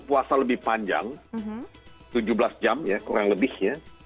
puasa lebih panjang tujuh belas jam ya kurang lebih ya